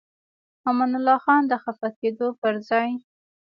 امان الله خان د خفه کېدو پر ځای.